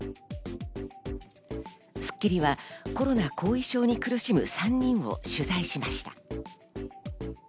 『スッキリ』はコロナ後遺症に苦しむ３人を取材しました。